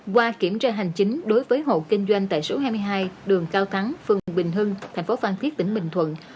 qua kiểm tra hành chính đối với hộ kinh doanh tại số hai mươi hai đường cao thắng phường bình hưng thành phố phan thiết tỉnh bình thuận